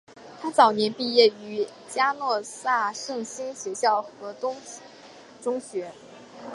她早年毕业于嘉诺撒圣心学校和何东中学。